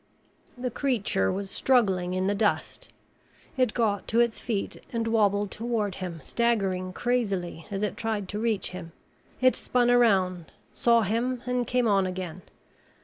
The creature was struggling in the dust. It got to its feet and wobbled toward him, staggering crazily as it tried to reach him. It spun around, saw him, and came on again.